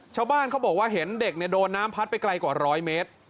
ชาวบ้านเขาบอกว่าเห็นเด็กโดนน้ำพัดไปไกลกว่า๑๐๐เมตร